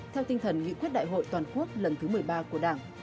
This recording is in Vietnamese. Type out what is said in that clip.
theo tinh thần nghị quyết đại hội toàn quốc lần thứ một mươi ba của đảng